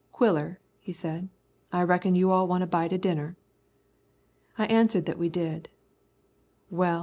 "Quiller," he said, "I reckon you all want a bite o' dinner." I answered that we did.